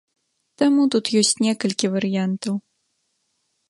Таму тут ёсць некалькі варыянтаў.